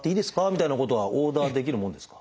みたいなことはオーダーできるものですか？